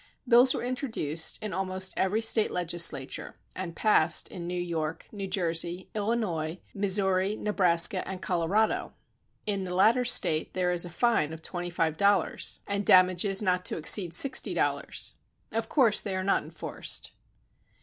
Bills were introduced in almost every State legis lature and passed in New York, New Jersey, Illinois, Missouri, Nebraska and Colorado. In the latter State there is a fine of $25 and Digitized by Google The Follies of Legislation. 17 damages not to exceed $60. Of course they are not enforced.